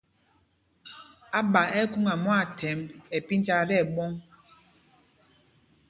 Áɓa ɛ́ ɛ́ khúŋa mwâthɛmb ɛ pínjá tí ɛɓɔ̄ŋ.